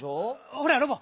ほらロボ。